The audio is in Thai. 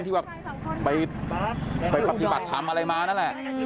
ที่ว่าไปปฏิบัติทำอะไรมานั่นแหละ